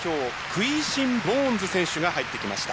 クイーシン・ボーンズ選手が入ってきました。